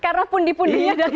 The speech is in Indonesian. karena pundi pundinya ada di sana